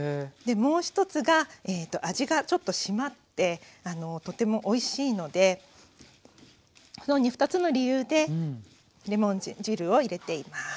もう一つが味がちょっとしまってとてもおいしいのでこのように２つの理由でレモン汁を入れています。